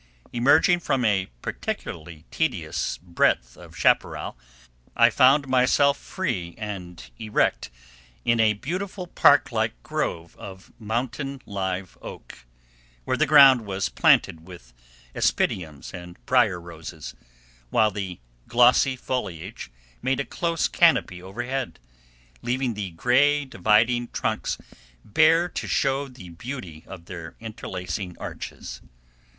Emerging from a particularly tedious breadth of chaparral, I found myself free and erect in a beautiful park like grove of Mountain Live Oak, where the ground was planted with aspidiums and brier roses, while the glossy foliage made a close canopy overhead, leaving the gray dividing trunks bare to show the beauty of their interlacing arches.